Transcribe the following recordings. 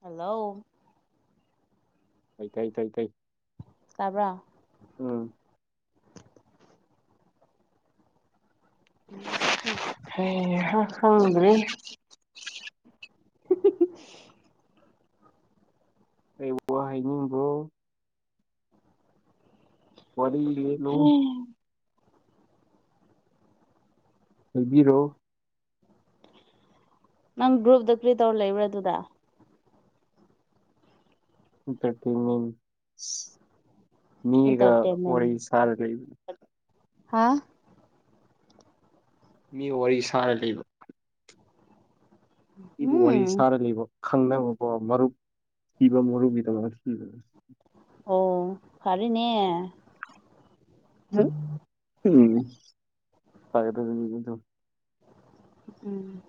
hello ꯇꯥꯏ ꯇꯥꯏ ꯇꯥꯏ ꯇꯥꯏ ꯇꯥꯕ꯭ꯔꯥ ꯎꯝ ꯎꯝ ꯍ ꯍꯗ꯭ꯔꯔꯤ [inaudible] ꯑꯩ ꯋꯥ ꯍꯥꯏ ꯅꯤꯡ ꯏꯕꯣ ꯍꯦ ꯍꯝ ꯂꯩꯕꯤꯔꯣ ꯅꯪ ꯒ꯭ꯔꯨꯞꯗ ꯀ꯭ꯔꯤ ꯇꯧꯔ ꯂꯩꯕ꯭ꯔꯥ ꯑꯗꯨꯗꯗꯥ ꯏꯟꯇꯔꯇꯃꯦꯟ ꯃꯤꯒ ꯏꯟꯇꯔꯇꯦꯟꯃꯦꯟ ꯋꯥꯔꯤꯔꯩ ꯁꯥꯔ ꯂꯩꯕꯅꯤ ꯍꯥ ꯃꯤ ꯋꯥꯔꯤ ꯁꯥꯔ ꯂꯩꯕ ꯏꯕꯨ ꯎꯝ ꯋꯥꯔꯤ ꯁꯥꯔ ꯂꯩꯕ ꯈꯪꯅꯕꯀꯣ ꯃꯔꯨꯞ ꯊꯤꯕ ꯃꯔꯨꯒꯤꯗꯃ ꯊꯤꯕ ꯑꯣ ꯐꯔꯅꯦ ꯎꯝ ꯐꯥꯏꯗ ꯎꯝ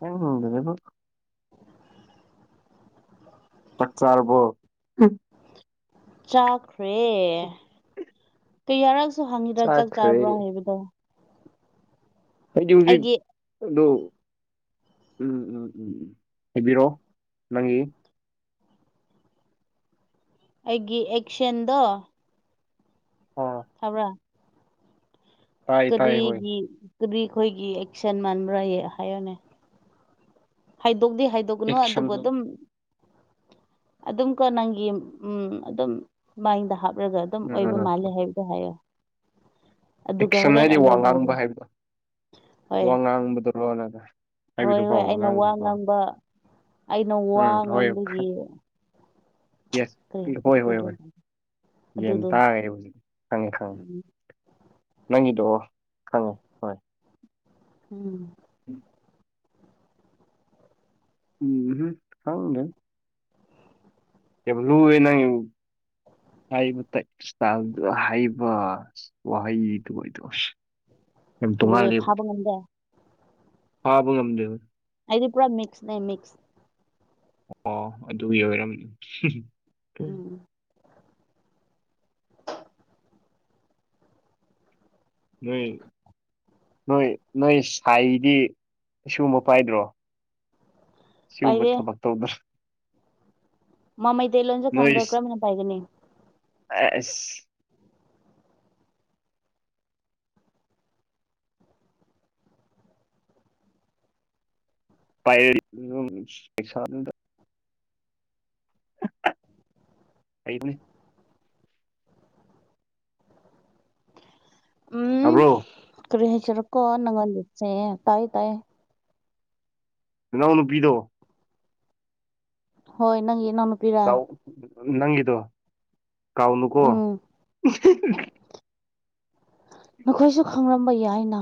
ꯍꯗ ꯑꯗꯨꯣ ꯄꯛꯆꯥꯔꯔꯕꯣ ꯆꯥꯈ꯭ꯔꯦ ꯀ ꯌꯥꯔꯛꯁꯨ ꯍꯪꯉꯤꯗ꯭ꯔꯥ ꯆꯥꯛ ꯆꯥꯈ꯭ꯔꯦ ꯆꯥꯔꯕ꯭ꯔꯣ ꯍꯥꯏꯕꯗꯣ ꯐꯖꯤꯁꯤ ꯑꯩꯒꯤ ꯑꯗꯨ ꯎꯝ ꯎꯝ ꯎꯝ ꯎꯝ ꯍꯥꯏꯕꯤꯔꯛꯑꯣ ꯅꯪꯒꯤ ꯑꯩꯒꯤ ꯑꯦꯛꯁꯟꯗ ꯑ ꯊꯕ꯭ꯔꯥ ꯇꯥꯏ ꯇꯥꯏ ꯍꯣꯏ ꯀꯔꯤꯒꯤ ꯗꯤ ꯑꯩꯈꯣꯏꯒꯤ ꯑꯦꯛꯁꯟ ꯃꯥꯟꯕ꯭ꯔꯥ ꯍꯥꯏꯌꯅꯦ ꯍꯥꯏꯗꯣꯛꯇꯦ ꯍꯥꯏꯗ ꯅ ꯑꯦꯛꯁꯟ ꯑꯗꯨꯕꯣ ꯎꯝ ꯑꯗꯨ ꯑꯗꯨꯝꯀꯣ ꯅꯪꯒꯤ ꯎꯝ ꯑꯗꯨꯝ ꯃꯥꯏꯗ ꯍꯥꯞꯂꯒ ꯑꯗꯨꯝ ꯑꯣꯏꯕ ꯃꯥꯜꯂꯦ ꯍꯥꯏ ꯀ ꯍꯥꯏꯣ ꯑꯦꯛꯁꯟ ꯍꯥꯏꯗꯤ ꯋꯥ ꯉꯥꯡꯕ ꯍꯥꯏꯕ ꯍꯣꯏ ꯋꯥ ꯉꯥꯡꯕꯗꯨꯔꯣꯅꯗ ꯍꯣꯏ ꯍꯣꯏ ꯑꯩꯅ ꯋꯥ ꯉꯥꯡꯕ ꯑꯩꯅ ꯋꯥ ꯎꯝ ꯍꯣꯏ ꯈꯔ ꯉꯥꯡꯕꯒꯤ ꯌꯦꯁ ꯀꯔꯤ ꯍꯣꯏ ꯍꯥꯏꯁꯤꯔꯀꯣ ꯍꯣꯏ ꯒ꯭ꯌꯥꯟ ꯍꯣꯏ ꯇꯥꯗꯦ ꯌꯦꯟ ꯑꯗꯨꯗꯣ ꯇꯥꯈꯔꯦ ꯍꯧꯖꯤꯛ ꯈꯪꯉꯦ ꯈꯪꯉꯦ ꯎꯝ ꯅꯪꯗꯣ ꯈꯪꯉꯦ ꯎꯝ ꯎꯝ ꯎꯝ ꯐꯥꯎꯦ ꯌꯥꯝ ꯂꯨꯦ ꯅꯪ ꯍꯥꯏꯕ ꯇ ꯍꯥꯏꯕ ꯋꯥꯩꯗꯨꯗꯣꯁ ꯂꯣꯏ ꯐꯥꯕ ꯉꯝꯗꯦ ꯐꯥꯕ ꯉꯝꯗꯦꯕ ꯑꯩꯗꯤ ꯄꯨꯥ ꯃ ꯃꯤꯁ ꯅ ꯃ ꯃꯤꯁ ꯑꯣ ꯑꯗꯨ ꯑꯣꯏꯔꯝꯃꯦ [unintelligible] [inaudible] ꯅꯣꯏ ꯅꯣꯏ ꯅꯣꯏ ꯁꯥꯏꯗꯤ ꯑꯁꯤꯒꯨꯝꯕ ꯄꯥꯏꯗ꯭ꯔꯣ ꯁꯤ ꯎꯝꯕ ꯄꯥꯏꯔꯦ ꯊꯕꯛ ꯇꯧꯎꯗꯔ ꯃꯥꯃꯩ ꯇ ꯂꯂꯣꯟꯣꯟꯁꯨꯦ ꯈꯥꯟꯗ꯭ꯔꯣ ꯀ꯭ꯔꯝꯅ ꯄꯥꯏꯒꯅꯤ ꯑꯁ ꯄꯥꯏꯔ [unintelligible] ꯑꯩꯅꯦ ꯇꯕ꯭ꯔꯣ ꯀꯔꯤꯍ ꯆꯔ ꯀꯣ ꯅꯪ ꯂꯤꯁꯦ ꯇꯥꯏ ꯇꯥꯏ ꯅꯅꯥꯎ ꯅꯨꯄꯤꯗꯣ ꯍꯣꯏ ꯅꯪꯒꯤ ꯅꯅꯥꯎ ꯀꯥꯎ ꯅꯪꯒꯤꯗꯣ ꯀꯥꯎꯅꯨꯀꯣ ꯎꯝ ꯅꯈꯣꯏꯁꯨ ꯈꯪꯂꯝꯝꯕ ꯌꯥꯏꯅ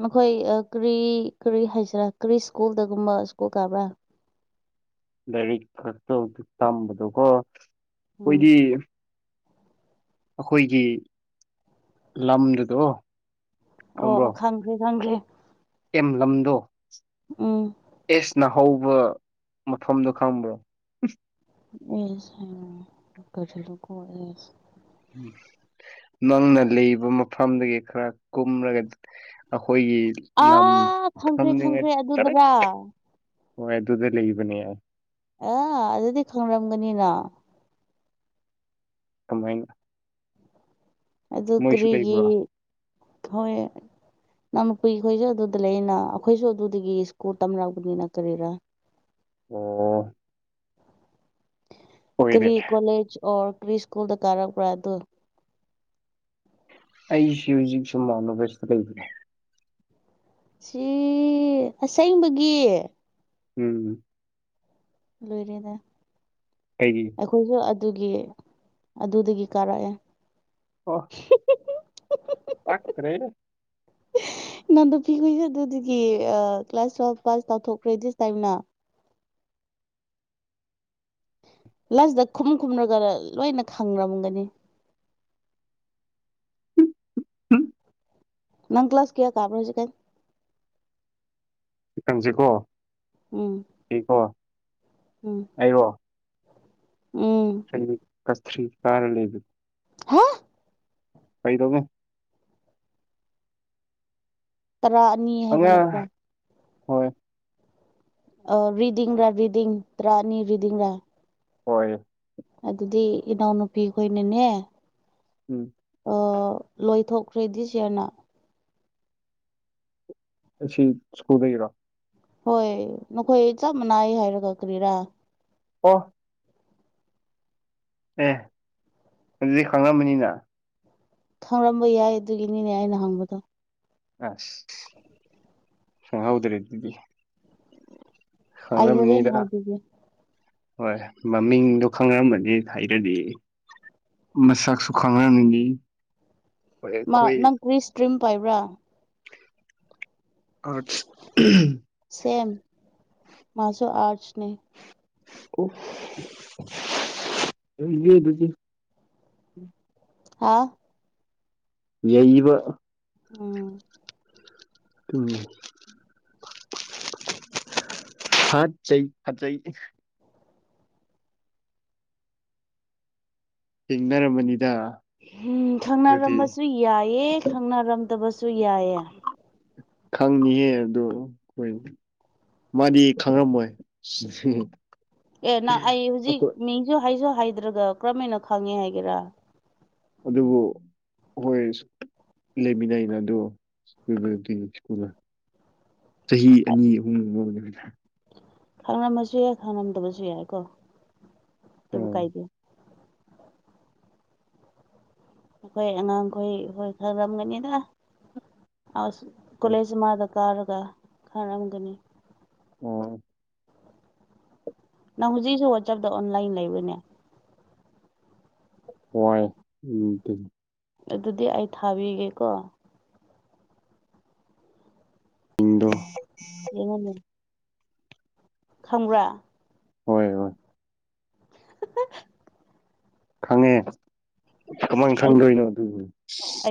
ꯃꯈꯣꯏ ꯀ꯭ꯔꯤ ꯀꯔꯤ ꯍꯥꯏꯁꯤꯔꯥ ꯀ꯭ꯔꯤ ꯁ꯭ꯀꯨꯜꯗꯒꯨꯝꯕ ꯁ꯭ꯀꯨꯜ ꯀꯥꯕ꯭ꯔꯥ ꯂꯥꯏꯔꯤꯛ ꯈꯛꯇ ꯇꯝꯕꯗꯣꯀꯣ ꯎꯝ ꯑꯩꯈꯣꯏꯗꯤ ꯑꯩꯈꯣꯏꯒꯤ ꯂꯝꯗꯨꯗꯣ ꯑꯣ ꯈꯪꯕ꯭ꯔꯣ ꯑꯣ ꯈꯪꯈ꯭ꯔꯦ ꯈꯪꯈ꯭ꯔꯦ ꯑꯦꯝ ꯂꯝꯗꯣ ꯎꯝ ꯑꯦꯁ ꯅ ꯍꯧꯕ ꯃꯐꯝꯗꯣ ꯈꯪꯕ꯭ꯔꯣ ꯑꯦꯁ [unintelligible] [inaudible] ꯅꯪꯅ ꯂꯩꯕ ꯃꯐꯝꯗꯒꯤ ꯈꯔ ꯀꯨꯝꯔꯒ ꯑꯩꯈꯣꯏꯒꯤ ꯂꯝ ꯑꯥ ꯈꯪꯈ꯭ꯔꯦ ꯊꯝꯅꯤꯡꯉꯩ ꯈꯪꯈ꯭ꯔꯦ ꯇꯔꯦ ꯑꯗꯨꯗꯔ ꯍꯣꯏ ꯑꯗꯨꯗ ꯂꯩꯕꯅꯦ ꯑ ꯑꯗꯨꯗꯤ ꯈꯪꯔꯝꯒꯅꯤꯅ ꯀꯃꯥꯏꯅ ꯑꯗꯨ ꯃꯣꯏꯁꯨ ꯀꯔꯤꯒꯤ ꯂꯩꯕ꯭ꯔꯣ ꯍꯣꯏ [unintelligible] ꯑꯗꯨꯗ ꯂꯩꯅ ꯑꯩꯈꯣꯏꯁꯨ ꯑꯗꯨꯗꯒꯤ ꯁ꯭ꯀꯨꯜ ꯇꯝꯅꯔꯛꯑꯄꯅꯤꯅ ꯀꯔꯤꯔꯥ ꯑꯣ ꯑꯣꯏꯔꯦ ꯀꯔꯤ ꯀꯣꯂꯦꯖ ꯑꯣꯔ ꯀ꯭ꯔꯤ ꯁ꯭ꯀꯨꯜꯗ ꯀꯥꯔꯛꯄ꯭ꯔꯥ ꯑꯗꯨꯒ ꯑꯩꯁꯤ ꯍꯧꯖꯤꯛ ꯁꯨꯝ ꯃꯥꯅꯣꯁꯇ ꯂꯩꯕ꯭ꯔꯦ ꯁꯤ ꯑꯁꯦꯡꯕꯒꯤ ꯎꯝ ꯂꯣꯏꯔꯦ ꯀꯩꯒꯤ ꯑꯩꯈꯣꯏꯁꯨ ꯑꯗꯨꯒꯤ ꯑꯗꯨꯗꯒꯤ ꯀꯥꯔꯛꯑꯦ ꯑꯣ ꯄꯥꯥꯛꯇ꯭ꯔꯦꯗ [unintelligible] [inaudible] [unintelligible] ꯑꯗꯨꯒꯤ ꯀ꯭ꯂꯥꯁ ꯇꯨꯋꯦꯜ ꯄꯥꯁ ꯇꯧꯊꯣꯛꯈ꯭ꯔꯗꯤꯁ ꯇꯥꯏꯝꯅ ꯂꯥꯏꯁꯤꯗ ꯈꯨꯝ ꯈꯨꯝꯅꯒ ꯂꯣꯏꯅ ꯈꯪꯔꯝꯒꯅꯤ ꯎꯝ ꯅꯪ ꯀ꯭ꯂꯥꯁ ꯀꯌꯥ ꯀꯥꯔ꯭ꯕꯥ ꯍꯧꯖꯤꯛꯀꯥꯟ ꯅꯪꯁꯦꯀꯣ ꯎꯝ ꯎꯝ ꯑꯩꯔꯣ ꯎꯝ ꯀꯁ꯭ꯊꯔꯤ ꯀꯥꯔ ꯂꯩꯕ ꯍꯥ ꯀꯩꯗꯧꯕꯣ ꯇꯔꯥ ꯑꯅꯤ ꯍꯥꯏꯕ ꯑꯉꯥꯡ ꯅꯠꯇ꯭ꯔꯥ ꯍꯣꯏ ꯑ ꯔꯤꯗꯤꯡ ꯔꯥ ꯔꯤꯗꯤꯡ ꯇꯔꯥ ꯑꯅꯤ ꯔꯤꯗꯤꯡ ꯔꯥ ꯍꯣꯏ ꯑꯗꯨꯗꯤ ꯏꯅꯥꯎꯅꯨꯄꯤ ꯈꯣꯏꯅꯅꯦ ꯎꯝ ꯂꯣꯏꯊꯣꯛꯈ꯭ꯔꯦ ꯗꯤꯁꯌꯥꯔꯅ ꯑꯁꯤ ꯁ꯭ꯀꯨꯜꯗꯒꯤꯔꯣ ꯍꯣꯏ ꯅꯈꯣꯏ ꯆꯞ ꯃꯥꯟꯅꯩ ꯍꯥꯏꯔ ꯀꯔꯤꯔꯥ ꯑꯣ ꯑꯦ ꯑꯗꯨ ꯈꯪꯉꯝꯃꯅꯤꯅ ꯈꯪꯔꯝꯕ ꯌꯥꯏ ꯑꯗꯨꯒꯤꯅꯤꯅꯦ ꯑꯩꯅ ꯍꯪꯕꯗꯣ ꯑ [unintelligible] ꯍꯔꯥꯎꯗꯔꯦ ꯑꯗꯨꯗꯤ ꯑꯥꯏꯍꯔꯦ ꯈꯪꯔꯝꯃꯅꯤꯗ ꯍꯥꯏꯕꯤꯒꯦ ꯍꯣꯏ ꯃꯃꯤꯡꯗꯣ ꯈꯪꯅꯔꯝꯕꯅꯤ ꯍꯩꯔꯗꯤ ꯃꯁꯛ ꯁꯨ ꯈꯪꯅꯒꯗꯤ ꯃꯥ ꯅꯪ ꯀ꯭ꯔꯤꯁ ꯇ꯭ꯔꯤꯝ ꯄꯥꯏꯕ꯭ꯔꯥ ꯑ ꯁꯦꯝ ꯃꯥꯖꯣ ꯑꯔꯠꯁ ꯅ ꯑꯣ ꯇꯖꯤꯦ ꯍꯥ ꯌꯕ ꯎꯝ ꯎꯝ ꯍꯥ ꯆꯍꯤ ꯍꯥ ꯆꯍꯤ ꯊꯦꯡꯅꯔꯃꯅꯤꯗ ꯎꯝ ꯈꯪꯅꯔꯝꯕꯁꯨ ꯌꯥꯏꯑꯦ ꯈꯪꯅꯔꯝꯗꯕꯁꯨ ꯌꯥꯏꯑꯦ ꯈꯪꯅꯤꯍꯦ ꯑꯗꯨꯗꯣ ꯍꯣꯏ ꯃꯥꯗꯤ ꯈꯪꯉꯝꯃꯣꯏ ꯑꯦ ꯅꯪ ꯑꯩ ꯍꯧꯖꯤꯛ ꯑꯩꯈꯣꯏ ꯃꯤꯡꯁꯨ ꯍꯥꯏꯁꯨ ꯍꯥꯏꯗ꯭ꯔꯒ ꯀꯔꯝ ꯍꯥꯏꯅ ꯈꯪꯉꯦ ꯍꯥꯏꯒꯦꯔꯥ ꯑꯗꯨꯕꯨ ꯍꯣꯏ ꯂꯩꯃꯤꯟꯅꯩꯅ ꯑꯗꯣꯛꯇ ꯁ꯭ꯀꯨꯜꯅ ꯆꯍꯤ ꯑꯅꯤ ꯑꯍꯨꯝꯃꯤꯔꯦ ꯈꯥꯡꯂꯝꯃꯁꯨ ꯌꯥꯏ ꯈꯥꯡꯔꯝꯗꯕꯁꯨ ꯌꯥꯏꯀꯣ ꯑꯗꯨꯕꯨ ꯀꯥꯏꯗꯦ ꯑꯩꯈꯣꯏ ꯑꯉꯥꯡꯈꯣꯏ ꯍꯈꯣꯏ ꯈꯪꯔꯝꯒꯅꯤꯗ ꯑ ꯀꯣꯂꯦꯖ ꯑꯃꯗ ꯀꯔꯒ ꯈꯔꯝꯒꯅꯤ ꯑꯣ ꯅꯪ ꯍꯧꯖꯤꯛꯁꯨ ꯋꯥꯆꯞꯇ ꯑꯣꯟꯂꯥꯏꯟ ꯂꯩꯕꯅꯦ ꯍꯏ ꯎꯝ ꯑꯗꯨꯗꯤ ꯑꯩ ꯊꯥꯕꯤꯒꯦꯀꯣ ꯍꯟꯗ ꯏꯉꯅꯦ ꯈꯪ꯭ꯔꯥ ꯍꯣꯏ ꯍꯣꯏ ꯎ ꯈꯪꯉꯦ ꯀꯃꯥꯏꯅ ꯈꯪꯗꯣꯏꯅꯣ ꯑꯗꯨ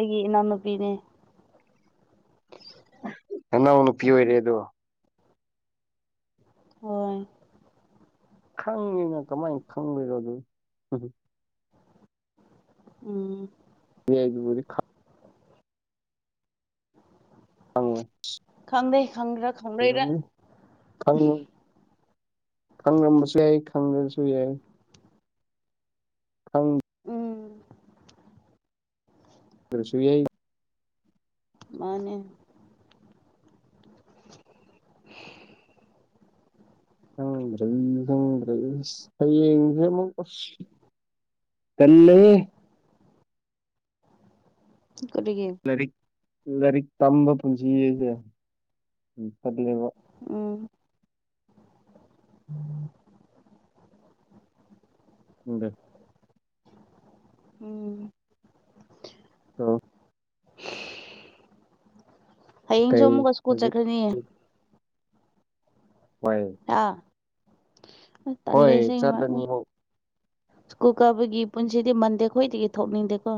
ꯏꯅ ꯄꯤꯅꯦ ꯅꯅꯧ ꯅꯨꯄꯤ ꯑꯣꯏꯔꯦꯗꯣ ꯍ ꯈꯪꯉꯤꯅ ꯀꯃꯥꯏꯅ ꯈꯪꯕꯤꯔꯣ ꯑꯗꯨ ꯎ ꯎꯝ ꯕꯨ ꯈꯪꯗꯦ [unintelligible] ꯈꯪꯒ꯭ꯔꯥ ꯈꯪꯔꯣꯏꯔ [unintelligible] ꯈꯪ ꯈꯪꯉꯝꯕꯁꯨ ꯌꯥꯏ ꯈꯪꯗꯁꯨ ꯌꯥꯏ ꯍꯪ ꯎꯝ ꯀ꯭ꯁꯏ ꯃꯥꯅꯦ ꯎꯪꯪꯗ ꯍꯌꯦꯡꯁꯦ ꯑꯃꯨꯛ ꯀ ꯀꯜꯂꯤ ꯀꯔꯤꯒꯤ ꯂꯥꯏꯔꯤꯛ ꯂꯥꯏꯔꯤꯛ ꯇꯝꯕ ꯄꯨꯟꯁꯤ ꯑꯁꯦ ꯐꯠꯂꯦꯕ ꯎꯝ ꯎꯗ ꯎꯝ ꯑ ꯍꯌꯦꯡꯁꯨ ꯀꯩ ꯑꯃꯨꯛꯀ ꯁ꯭ꯀꯨꯜ ꯍꯧꯖꯤꯛ ꯆꯠꯈ꯭ꯔꯅꯤꯌꯦ ꯍꯣꯏ ꯑꯥ ꯍꯣꯏ ꯇꯂꯦꯁ ꯆꯠꯂꯅꯤ ꯑꯃꯨꯛ ꯁ꯭ꯀꯨꯜ ꯀꯥꯕꯒꯤ ꯄꯨꯟꯁꯤꯗꯤ ꯃꯟꯗꯦ ꯈꯣꯏꯗꯒꯤ ꯊꯣꯛꯅꯤꯡꯗꯦꯀꯣ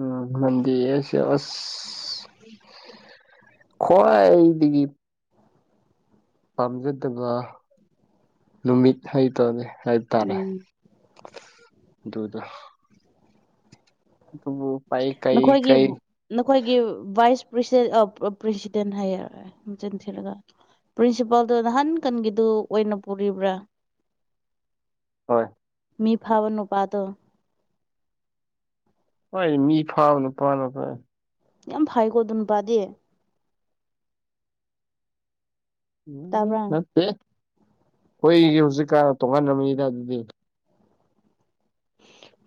ꯎꯝ ꯅꯗꯤꯁ ꯑꯁ ꯈꯋꯥ ꯑꯩꯗꯤꯗꯒꯤ ꯄꯥꯝꯖꯗꯕ ꯅꯨꯃꯤꯠ ꯍꯩꯇꯕꯅꯤ ꯍꯥꯏꯕꯇꯥꯔꯦ ꯎꯝ ꯑꯗꯨꯗ ꯑꯗꯨꯕꯨ ꯄꯥꯏ ꯀꯩ ꯅꯈꯣꯏꯒꯤ ꯀꯩ ꯅꯈꯣꯏꯒꯤ ꯚꯥꯏꯁ ꯄ꯭ꯔꯁꯤ ꯄ꯭ꯔꯦꯁꯤꯗꯦꯟ ꯍꯥꯏꯌꯦꯔꯦ ꯊꯤꯔꯒ ꯄ꯭ꯔꯤꯟꯁꯤꯄꯥꯜꯗꯨ ꯅꯍꯥꯟ ꯀꯟꯒꯤꯗꯨ ꯑꯣꯏꯅ ꯄꯨꯔꯤꯕ꯭ꯔꯥ ꯍꯣꯏ ꯃꯤ ꯐꯥꯕ ꯅꯨ ꯄꯗꯣ ꯍꯣꯏ ꯃꯤ ꯐꯥꯕꯅꯄꯥꯥꯂ ꯀ ꯌꯥꯝ ꯐꯩꯀꯣ ꯑꯗꯨ ꯅꯨꯄꯥꯗꯤ ꯎ ꯇꯥꯕ꯭ꯔꯥ ꯅꯠꯇꯦ ꯑꯩꯈꯣꯏꯒꯤ ꯍꯧꯖꯤꯛꯀ ꯇꯣꯡꯉꯥꯟꯕ ꯃꯤꯅꯤꯗ ꯑꯗꯨꯗꯤ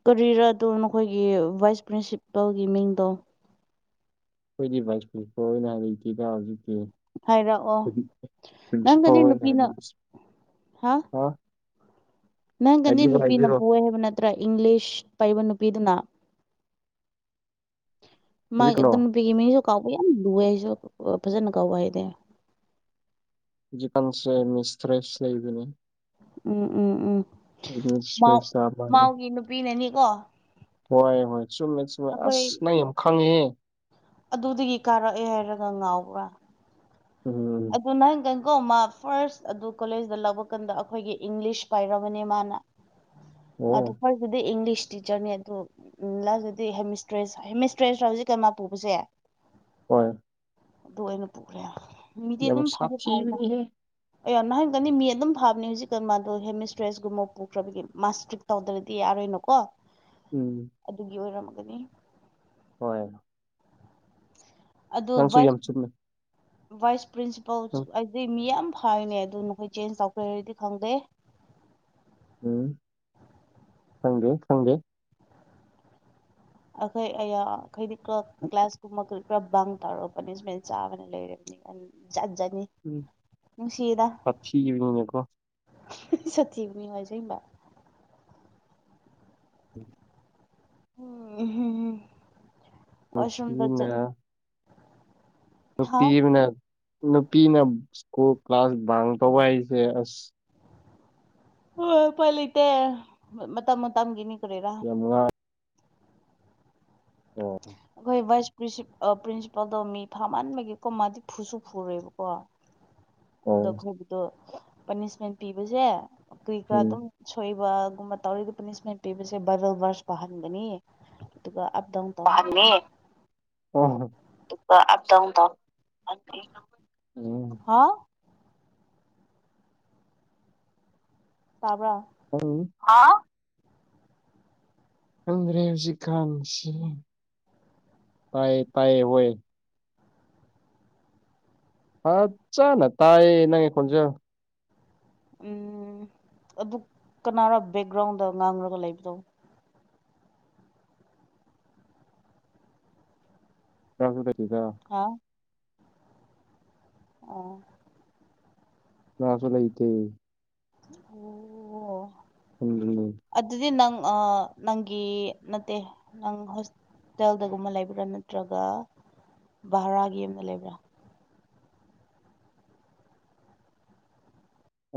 ꯀꯔꯤꯔꯗꯣ ꯅꯈꯣꯏꯒꯤ ꯚꯥꯏꯁ ꯄ꯭ꯔꯤꯟꯁꯤꯄꯜꯒꯤ ꯃꯤꯡꯗꯣ ꯑꯩꯈꯣꯏꯗꯤ ꯚꯥꯏꯁ ꯐꯨꯄ ꯑꯣꯏꯅ ꯂꯩ ꯂꯩꯇꯦꯗ ꯍꯧꯖꯤꯛꯇꯤ ꯍꯥꯏꯔꯛꯑꯣ ꯅꯪꯒꯅꯤ ꯅꯨꯄꯤꯅ ꯐ ꯑ ꯅꯪ ꯈꯟꯗꯤ ꯅꯨꯄꯤꯅ ꯍꯥꯏꯕꯤꯔꯣ ꯄ ꯍꯥꯏꯕ ꯅꯠꯇ꯭ꯔꯥ ꯏꯪꯂꯤꯁ ꯄꯥꯏꯕ ꯅꯨꯄꯤꯗꯨꯅ ꯃꯥꯒꯤ ꯍꯧꯖꯤꯛꯀꯤꯅꯣ ꯑꯗꯨ ꯅꯨꯄꯤꯒꯤ ꯃꯤꯁꯨ ꯀꯥꯎꯕ ꯌꯥꯝ ꯂꯨꯋꯦ ꯑꯩꯁꯨ ꯐꯖꯅ ꯀꯥꯎꯕ ꯍꯥꯏꯗꯤ ꯄꯥꯟꯁꯦ ꯃꯤꯁꯇ꯭ꯔꯦꯁ ꯂꯩꯕꯅꯦ ꯎꯝ ꯎꯝ ꯎꯝ ꯃꯥꯎ ꯃꯤꯁꯇ꯭ꯔꯦꯁ ꯃꯥꯜꯂꯦ ꯃꯥꯎꯒꯤ ꯅꯨꯄꯤꯅꯅꯤꯀꯣ ꯍꯣꯏ ꯍꯣꯏ ꯆꯨꯝꯃꯦ ꯆꯨꯝꯃꯦ ꯑꯩꯈꯣꯏ ꯑꯁ ꯅꯪ ꯌꯥꯝ ꯈꯪꯉꯦ ꯑꯗꯨꯗꯒꯤ ꯀꯥꯔꯛꯑꯦ ꯍꯥꯏꯔꯒ ꯉꯥꯎꯕ꯭ꯔꯥ ꯎꯝ ꯑꯗꯨ ꯅꯍꯪ ꯀꯪꯀꯣꯃ ꯐꯥꯔꯁ ꯑꯗꯨ ꯀꯣꯂꯦꯖꯇ ꯂꯧꯕ ꯀꯥꯟꯗ ꯑꯩꯈꯣꯏꯒꯤ ꯏꯪꯂꯤꯁ ꯄꯥꯏꯔꯕꯅꯦ ꯃꯥꯅ ꯃꯥ ꯑꯣ ꯐ ꯑꯗꯨꯗꯤ ꯏꯪꯂꯤꯁ ꯇꯤꯆꯔꯅꯦ ꯑꯗꯨ ꯎꯝ ꯂ ꯑꯗꯨꯗꯤ ꯍꯦꯃꯤꯁꯇ꯭ꯔꯦꯁ ꯍꯦꯃꯤꯁꯇ꯭ꯔꯦꯁ ꯍꯧꯖꯤꯛꯀ ꯃꯥ ꯄꯨꯕꯁꯦ ꯍꯣꯏ ꯑꯗꯨ ꯑꯣꯏꯅ ꯄꯨꯈ꯭ꯔꯦ ꯃꯤꯗꯤ ꯌꯥꯝ ꯑꯗꯨꯝ ꯐꯔꯦ ꯐꯔꯗ ꯁꯥꯊꯤꯕꯅꯤꯍꯦ ꯑꯩ ꯅ ꯍꯥꯏꯔꯒꯅꯤ ꯃꯤ ꯑꯗꯨꯝ ꯐꯥꯕꯅꯦ ꯍꯧꯖꯤꯛꯀ ꯃꯥꯗꯣ ꯍꯦꯃꯤꯁꯇ꯭ꯔꯦꯁꯒꯨꯝꯕ ꯄꯨꯈ꯭ꯔꯕꯒꯤ ꯃꯥꯁꯇ꯭ꯔꯤꯛ ꯇꯧꯗ꯭ꯔꯗꯤ ꯌꯥꯔꯣꯏꯅꯨꯀꯣ ꯎꯝ ꯑꯗꯨꯒꯤ ꯑꯣꯏꯔꯝꯒꯅꯤ ꯍꯣꯏ ꯑꯗꯨ ꯅꯪꯁꯨ ꯌꯥꯝ ꯆꯨꯝꯃꯦ ꯚꯥꯏꯁ ꯚꯥꯏꯁ ꯄ꯭ꯔꯤꯟꯁꯤꯄꯥꯜ ꯎꯝ ꯍꯥꯏꯗꯤ ꯃꯤꯌꯥꯝ ꯍꯥꯏꯅꯦ ꯑꯗꯨ ꯅꯈꯣꯏ ꯆꯦꯟꯖ ꯇꯧꯄꯤꯔꯗꯤ ꯈꯪꯗꯦ ꯎꯝ ꯈꯪꯗ‌ꯦ ꯈꯪꯗ‌ꯦ ꯑꯩꯈꯣꯏ ꯑꯌꯥ ꯈꯩꯗꯤ ꯀ꯭ꯂꯥ ꯀ꯭ꯂꯥꯁ ꯀꯨꯝꯕ ꯄꯨꯔꯥ ꯕꯪ ꯇꯧꯔꯛ ꯄꯅꯤꯁꯃ‌ꯦꯟ ꯆꯥꯕꯅ ꯂꯩꯔꯕꯅꯤ ꯑꯩ ꯖꯥꯠ ꯖꯥꯠꯅꯤ ꯎꯝ ꯋꯥꯊꯤ [unintelligible] ꯅꯤꯅꯀꯣ ꯁꯥꯊꯤꯕꯅ‌ꯦ [unintelligible] ꯑꯁ‌‌ꯦꯡꯕ ꯎꯝ [unintelligible] ꯋꯥꯁꯔꯨꯝꯗ ꯆꯠ ꯅꯨꯄꯤꯅ ꯍꯥ ꯅꯨꯄꯤ ꯑꯃꯅ ꯅꯨꯄꯤꯅ ꯁ꯭ꯀꯨꯜ ꯀ꯭ꯂꯥꯁ ꯕꯥꯡ ꯇꯧꯕ ꯍꯥꯏꯁꯦ ꯑꯁ ꯍꯣꯏ ꯎꯄꯥꯏ ꯂꯩꯇꯦ ꯃ ꯃꯇꯝꯝꯒꯤꯅꯤ ꯀꯔꯤꯔꯥ ꯅꯨꯡꯉꯥ [unintelligible] ꯑꯩꯈꯣꯏ ꯚꯥꯏꯁ ꯄ꯭ꯔꯤ ꯄ꯭ꯔꯤꯟꯁꯤꯄꯥꯜꯗꯣ ꯃꯤ ꯐꯥꯃꯟꯕꯒꯤꯀꯣ ꯃꯥꯗꯤ ꯐꯨꯁꯨ ꯐꯨꯔ‌ꯣꯏꯕꯀꯣ ꯑꯗꯣ ꯑꯣ ꯑꯩꯈꯣꯏꯒꯤꯗꯣ ꯄꯥꯅꯤꯁꯃꯦꯟ ꯄꯤꯕꯁꯦ ꯀꯩ ꯀꯔꯥ ꯑꯗꯨꯝ ꯎꯝ ꯁꯣꯏꯕꯒꯨꯝꯕ ꯇꯧꯔꯤꯒ ꯄꯅꯤꯁꯃꯦꯟ ꯄꯤꯕꯁꯦ ꯕꯥꯏꯕꯜ ꯕꯔꯁ ꯄꯥꯍꯟꯕꯅꯤ ꯑꯗꯨꯒ ꯑꯞ ꯗꯥꯎꯟ ꯇꯧꯍꯟꯒꯅꯤ [unintelligible] ꯗꯨꯒ ꯑꯞ ꯗꯥꯎꯟ [unintelligible] ꯍꯥꯥ ꯇꯥꯕ꯭ꯔ ꯎꯪ ꯍꯥꯎ ꯈꯪꯗ꯭ꯔꯦ ꯍꯧꯖꯤꯛ ꯀꯥꯟꯁꯤ ꯇꯥꯏꯌ‌ꯦ ꯇꯥꯏꯌꯦ ꯋ‌ꯣꯏ ꯐꯆꯥꯅ ꯇꯥꯏꯌꯦ ꯅꯪꯒꯤ ꯈꯣꯟꯖ‌ꯦꯜ ꯎꯝ ꯑꯗꯨ ꯀꯅꯥꯔ ꯕꯦꯛꯒ꯭ꯔꯥꯎꯟꯗ ꯉꯥꯡꯂꯒ ꯂꯩꯕꯗ‌ꯣ [unintelligible] ꯍꯥ ꯑꯣ ꯉꯥꯁꯨ ꯂꯩꯇ‌ꯦ ꯑꯣ [unintelligible] ꯑꯗꯨꯗꯤ ꯅꯪ ꯑꯥ ꯅꯪꯒꯤ ꯅꯠꯇꯦ ꯅꯪ ꯍ‌ꯣꯁ ꯇꯦꯜꯗꯒꯨꯝꯕ ꯂꯩꯕ꯭ꯔꯥ ꯅꯠꯇ꯭ꯔꯒ ꯚꯔꯥꯒꯤ ꯌꯨꯝꯗ ꯂꯩꯕ꯭ꯔꯥ